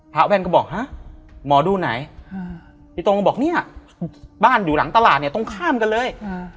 แว่นก็บอกฮะหมอดูไหนพี่ตรงก็บอกเนี่ยบ้านอยู่หลังตลาดเนี่ยตรงข้ามกันเลย